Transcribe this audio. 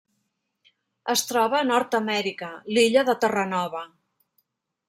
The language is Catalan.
Es troba a Nord-amèrica: l'illa de Terranova.